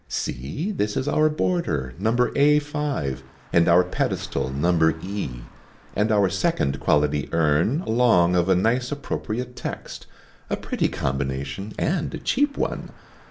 See, this is our border, No. A 5, and our pedestal No. E, and our second quality urn, along of a nice appropriate text a pretty combination and a cheap one.